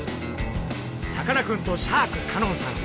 さかなクンとシャーク香音さん。